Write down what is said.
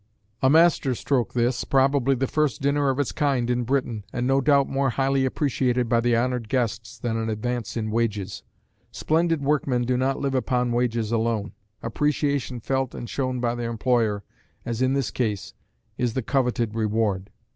A master stroke this, probably the first dinner of its kind in Britain, and no doubt more highly appreciated by the honored guests than an advance in wages. Splendid workmen do not live upon wages alone. Appreciation felt and shown by their employer, as in this case, is the coveted reward.